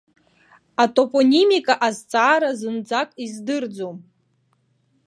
Атопонимика азҵаара зынӡак издырӡом.